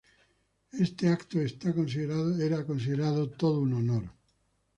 Este acto era considerado todo un honor.